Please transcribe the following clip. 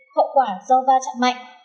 hậu quả do va chạm mạnh